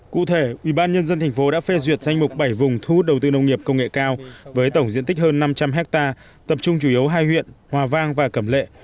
cụ thể ubnd tp đã phê duyệt danh mục bảy vùng thu hút đầu tư nông nghiệp công nghệ cao với tổng diện tích hơn năm trăm linh hectare tập trung chủ yếu hai huyện hòa vang và cẩm lệ